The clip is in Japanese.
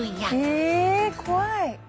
ええ怖い！